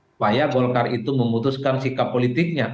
supaya golkar itu memutuskan sikap politiknya